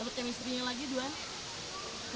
dapet chemistry nya lagi duaan